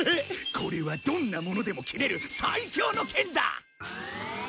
これはどんなものでも斬れる最強の剣だ！